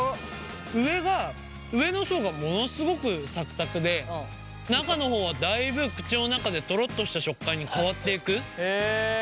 上が上の層がものすごくサクサクで中の方はだいぶ口の中でトロッとした食感に変わっていく。